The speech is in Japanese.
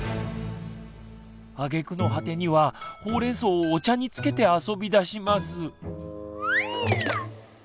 あげくの果てにはほうれんそうをお茶につけて遊びだします。